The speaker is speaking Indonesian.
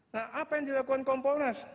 nah apa yang dilakukan kompolnas